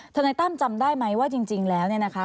นายตั้มจำได้ไหมว่าจริงแล้วเนี่ยนะคะ